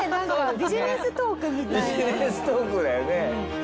ビジネストークだよね。